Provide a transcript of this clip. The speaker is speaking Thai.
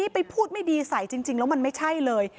ไปพูดไม่ดีใส่จริงแล้วมันไม่ใช่เลย